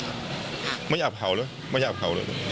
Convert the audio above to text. พูดงานไม่ยอดข่าวเลยตอนนี้มันเก็บรุกไว้